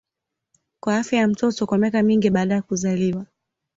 kwa afya ya mtoto kwa miaka mingi baada ya kuzaliwa